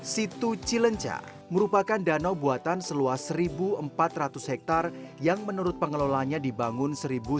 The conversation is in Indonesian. situ cilenca merupakan danau buatan seluas satu empat ratus hektare yang menurut pengelolanya dibangun seribu sembilan ratus sembilan puluh